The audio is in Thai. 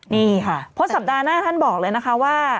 นี่ค่ะเพราะสัปดาห์หน้าท่านบอกเลยนะคะว่า